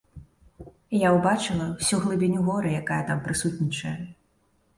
Я ўбачыла ўсю глыбіню гора, якая там прысутнічае.